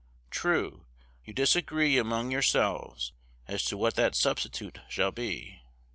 True, you disagree among yourselves as to what that substitute shall be.